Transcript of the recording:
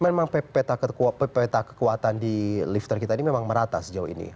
memang peta kekuatan di lifter kita ini memang merata sejauh ini